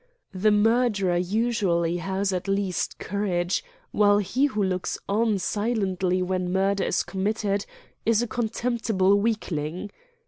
The murderer usually has at least courage, while he who looks on silently when murder is committed is a contemptible weakling.